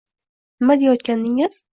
Nima deyotgandingiz